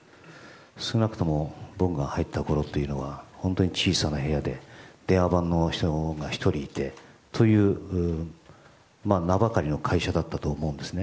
少なくとも僕が入ったころというのは本当に小さな部屋で電話番のような人が１人いてそういう名ばかりの会社だったと思うんですね。